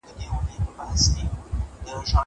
زه پرون پلان جوړوم وم.